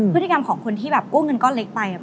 พฤติกรรมของคนที่แบบกู้เงินก้อนเล็กไป